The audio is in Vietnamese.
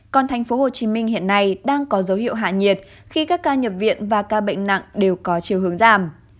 còn thành phố hồ chí minh hiện nay đang có dấu hiệu hạ nhiệt khi các ca nhập viện và ca bệnh nặng đều có chiều hướng giảm